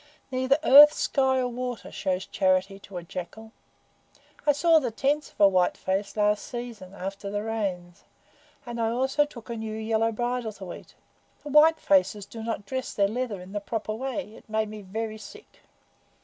Neither earth, sky, nor water shows charity to a jackal. I saw the tents of a white face last season, after the Rains, and I also took a new yellow bridle to eat. The white faces do not dress their leather in the proper way. It made me very sick."